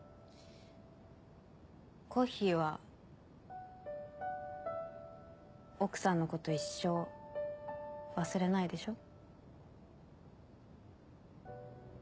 コッヒーは奥さんのこと一生忘れないでしょ？